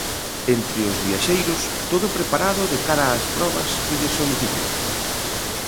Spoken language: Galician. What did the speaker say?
Entre os viaxeiros, todo preparado de cara ás probas que lles soliciten.